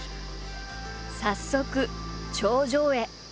早速頂上へ。